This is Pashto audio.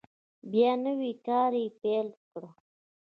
بیا نوی کار یې پیل کړ.